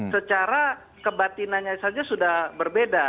secara kebatinannya saja sudah berbeda